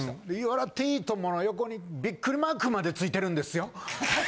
『笑っていいとも！』の横にビックリマークまで付いてるんですよ。